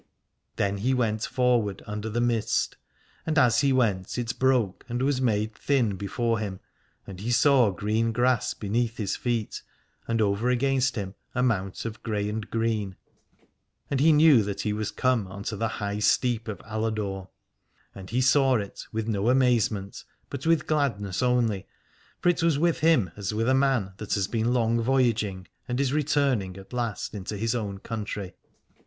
255 Aladore Then he went forward under the mist, and as he went it broke and was made thin be fore him, and he saw green grass beneath his feet, and over against him a mount of grey and green, and he knew that he was come unto the High Steep of Aladore. And he saw it with no amazement but with gladness only, for it was with him as with a man that has been long voyaging and is return ing at last into his own country.